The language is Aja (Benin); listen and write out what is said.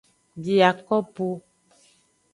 Biakopo.